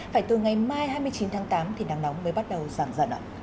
phải từ ngày mai hai mươi chín tháng tám thì nắng nóng mới bắt đầu giảm dần ạ